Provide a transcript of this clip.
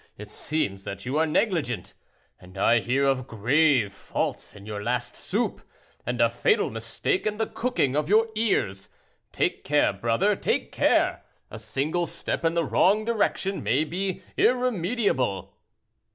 It seems that you are negligent, and I hear of grave faults in your last soup, and a fatal mistake in the cooking of your ears. Take care, brother, take care; a single step in a wrong direction may be irremediable."